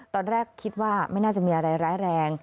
ตอนแรกคิดว่าไม่น่าจะมีอะไรร้ายแรง